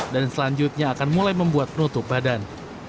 dan selanjutnya akan mulai membuat penutup badan